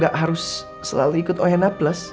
gak harus selalu ikut oena plus